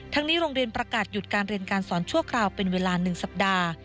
นี้โรงเรียนประกาศหยุดการเรียนการสอนชั่วคราวเป็นเวลา๑สัปดาห์